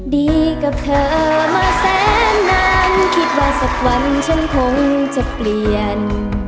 ดีกับเธอมาแสนนานคิดว่าสักวันฉันคงจะเปลี่ยน